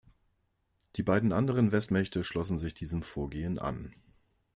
Die beiden anderen Westmächte schlossen sich diesem Vorgehen an.